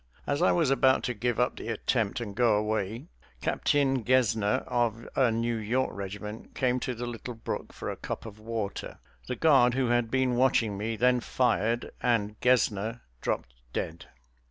As I was about to give up the attempt and go away Captain Gesner, of a New York regiment, came to the little brook for a cup of water. The guard who had been watching me then fired, and Gesner dropped dead.